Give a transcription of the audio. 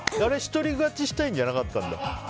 １人勝ちしたいんじゃなかったんだ。